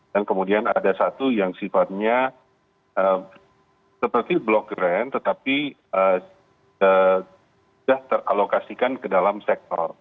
dan kemudian ada satu yang sifatnya seperti block grant tetapi sudah teralokasikan ke dalam sektor